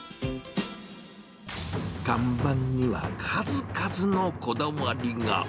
看板には数々のこだわりが。